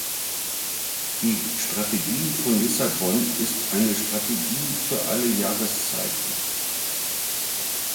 Die Strategie von Lissabon ist eine Strategie für alle Jahreszeiten.